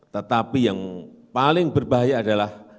tetapi yang paling berbahaya adalah